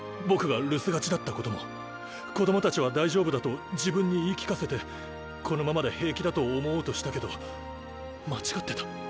僕が留守がちだったことも子供たちは大丈夫だと自分に言い聞かせてこのままで平気だと思おうとしたけど間違ってた。